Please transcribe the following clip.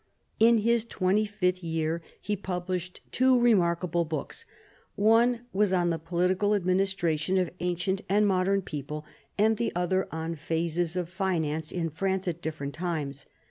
In his twenty fifth year he published two remarkable books. One was on the political administration of ancient and modern people, and the other on Phases of Finance in France at different times.